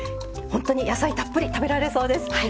ほんとに野菜たっぷり食べられそうです。